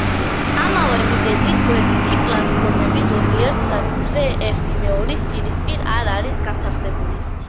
ამავე მიზეზით, გვერდითი პლატფორმები ზოგიერთ სადგურზე ერთიმეორის პირისპირ არ არის განთავსებული.